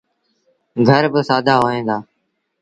گھر با سآدآ هوئيݩ دآ۔